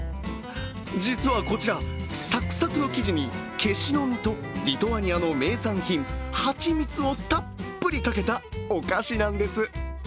実は、こちら、さくさくの生地にけしの実とリトアニアの名産品、蜂蜜をたっぷりかけたお菓子なんです。